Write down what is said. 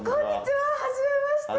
はじめまして。